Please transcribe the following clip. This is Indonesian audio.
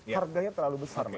harganya terlalu besar